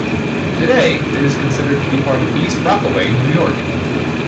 Today, it is considered to be part of East Rockaway, New York.